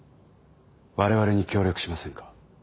我々に協力しませんか？